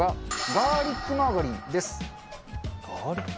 ガーリックマーガリン？